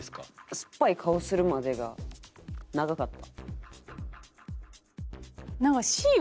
酸っぱい顔するまでが長かった。